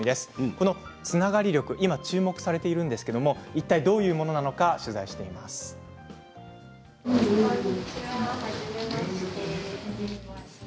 このつながり力今注目されているんですけれどいったいどういうものなのか取材しました。